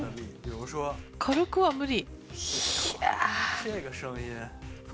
軽くは無理。